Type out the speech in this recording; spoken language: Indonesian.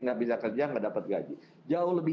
gak bisa kerja gak dapat gaji jauh lebih